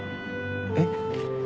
えっ？